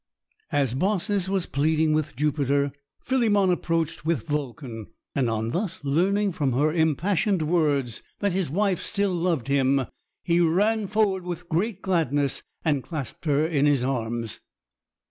As Baucis was pleading with Jupiter, Philemon approached with Vulcan; and on thus learning from her impassioned words that his wife still loved him, he ran forward with great gladness, and clasped her in his arms.